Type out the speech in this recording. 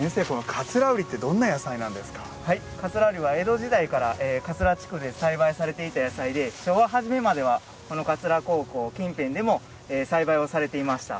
桂うりは江戸時代から桂地区で栽培されていた野菜で昭和初めまでは、桂高校近辺でも栽培をされていました。